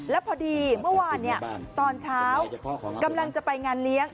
แล้วพอดีเมื่อวานตอนเช้ากำลังจะไปงานเลี้ยง